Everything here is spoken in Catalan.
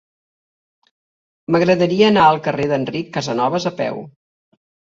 M'agradaria anar al carrer d'Enric Casanovas a peu.